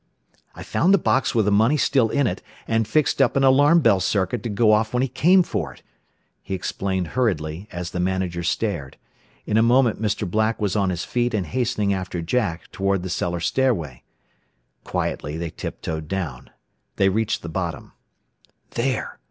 "I found the box, with the money still in it, and fixed up an alarm bell circuit to go off when he came for it," he explained hurriedly, as the manager stared. In a moment Mr. Black was on his feet and hastening after Jack toward the cellar stairway. Quietly they tiptoed down. They reached the bottom. "There!"